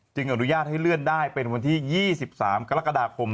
อนุญาตให้เลื่อนได้เป็นวันที่๒๓กรกฎาคม